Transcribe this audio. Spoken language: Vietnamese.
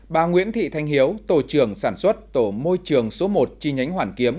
bà nguyễn thị thanh hiếu tổ trưởng sản xuất tổ môi trường số một chi nhánh hoàn kiếm